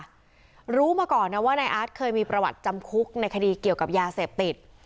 รู้มาก่อนนะว่านายอาร์ตเคยมีประวัติจำคุกในคดีเกี่ยวกับยาเสพติด